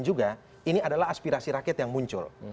juga ini adalah aspirasi rakyat yang muncul